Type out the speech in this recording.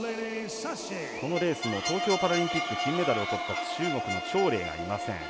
このレースも東京パラリンピック金メダルをとった中国の張麗がいません。